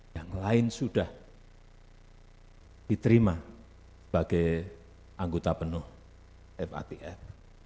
yang lain sudah diterima sebagai anggota penuh fatf